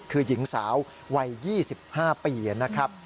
คือหญิงสาววัย๒๕ปีนะครับ